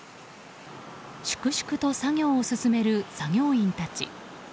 粛々と作業を進める作業員たち。